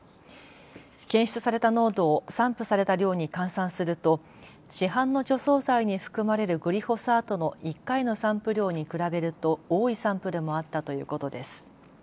検出された濃度を散布された量に換算すると市販の除草剤に含まれるグリホサートの１回の散布量に比べると多い散布でもあったということです。